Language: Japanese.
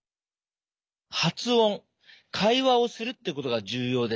発音会話をするってことが重要です。